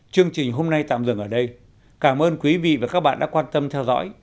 chương trình hôm nay tạm dừng ở đây cảm ơn quý vị và các bạn đã quan tâm theo dõi